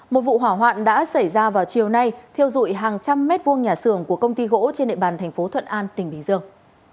một vụ hỏa hoạn đã xảy ra vào chiều nay thiêu dụi hàng trăm mét vuông nhà xưởng của công ty gỗ trên địa bàn thành phố thuận an tỉnh bình dương